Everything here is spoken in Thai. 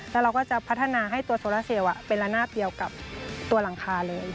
แล้วเราก็จะพัฒนาให้ตัวตัวตัวตัวตัวหลังคาเลย